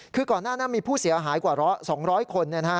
คือก่อนหน้านั้นมีผู้เสียหายกว่า๒๐๐คน